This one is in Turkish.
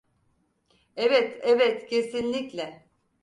Evet, evet, kesinlikle.